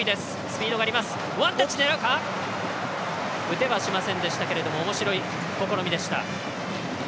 打てはしませんでしたけれどもおもしろい試みでした。